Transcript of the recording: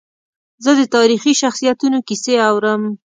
زه د تاریخي شخصیتونو کیسې اورم.